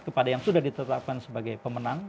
kepada yang sudah ditetapkan sebagai pemenang